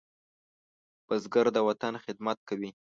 بزګر د وطن خدمت کوي